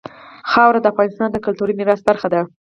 خاوره د افغانستان د کلتوري میراث برخه ده.